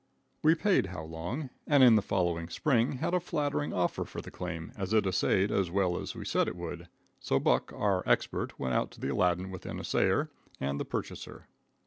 We paid How Long, and in the following spring had a flattering offer for the claim if it assayed as well as we said it would, so Buck, our expert, went out to the Aladdin with an assayer and the purchaser.